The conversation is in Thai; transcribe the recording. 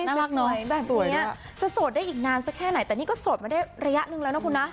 แบบนี้จะโสดได้อีกนานสักแค่ไหนแต่นี่ก็โสดมาได้ระยะหนึ่งแล้วนะคุณนะ